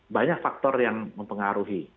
banyak faktor yang mempengaruhi